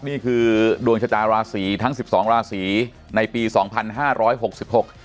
นี่คือดวงชะตาราศีทั้งสิบสองราศีในปีสองพันห้าร้อยหกสิบหก